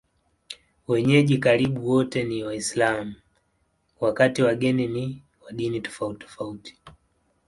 Wenyeji karibu wote ni Waislamu, wakati wageni ni wa dini tofautitofauti.